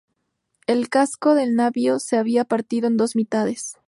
El casco del navío se había partido en dos mitades.